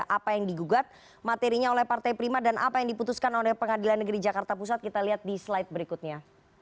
apa yang digugat materinya oleh partai prima dan apa yang diputuskan oleh pengadilan negeri jakarta pusat kita lihat di slide berikutnya